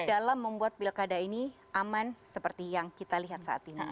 dalam membuat pilkada ini aman seperti yang kita lihat saat ini